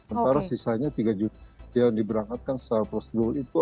antara sisanya tiga juta yang diberangkatkan secara prosedur itu